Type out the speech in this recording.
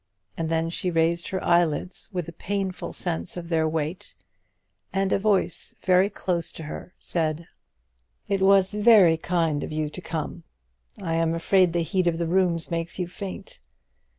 And then she raised her eyelids with a painful sense of their weight, and a voice very close to her said, "It was very kind of you to come. I am afraid the heat of the room makes you faint.